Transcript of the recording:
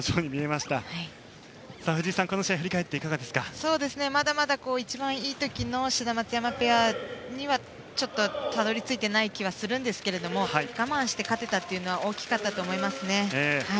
まだまだ一番いい時の志田、松山ペアにはちょっとたどり着いていない気はするんですが我慢して勝てたというのは大きかったと思います。